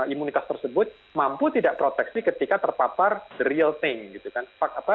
imunitas tersebut mampu tidak proteksi ketika terpapar the real thing